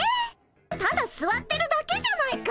ただすわってるだけじゃないか。